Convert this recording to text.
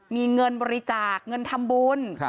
มีเงินบริจาคเงินทำบุญ